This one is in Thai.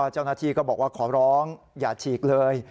เจ้าหน้าที่ก็บอกว่าขอร้องอย่าฉีกเลย